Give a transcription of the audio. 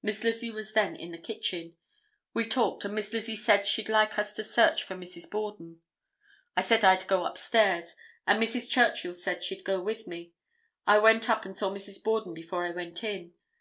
Miss Lizzie was then in the kitchen. We talked, and Miss Lizzie said she'd like us to search for Mrs. Borden. I said I'd go upstairs, and Mrs. Churchill said she'd go with me. I went up and saw Mrs. Borden before I went in.